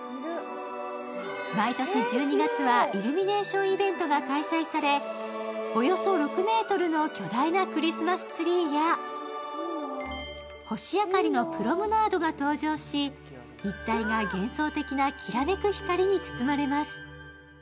毎年１２月はイルミネーションイベントが開催され、およそ６ｍの巨大なクリスマスツリーや星明かりのプロムナードが登場し、一帯が幻想的なきらめく光に包まれます。